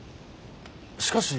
しかし。